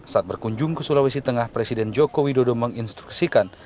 saat berkunjung ke sulawesi tengah presiden joko widodo menginstruksikan